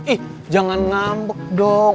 ih jangan ngambek dong